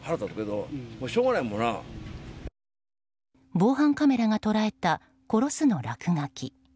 防犯カメラが捉えた「殺す」の落書き。